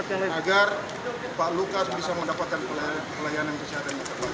agar pak lukas bisa mendapatkan pelayanan kesehatan yang tepat